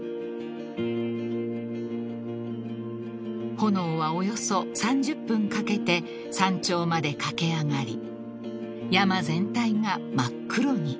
［炎はおよそ３０分かけて山頂まで駆け上がり山全体が真っ黒に］